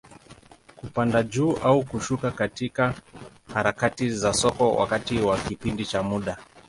Kupanda juu au kushuka katika harakati za soko, wakati wa kipindi cha muda.